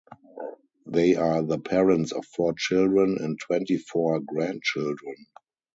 They are the parents of four children and twenty-four grandchildren.